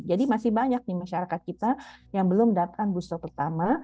jadi masih banyak nih masyarakat kita yang belum dapatkan booster pertama